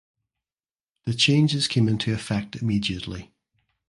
The changes came into effect immediately.